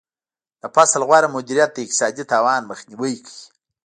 د فصل غوره مدیریت د اقتصادي تاوان مخنیوی کوي.